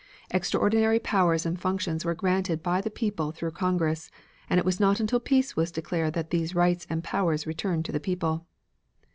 Extraordinary powers and functions were granted by the people through Congress, and it was not until peace was declared that these rights and powers returned to the people.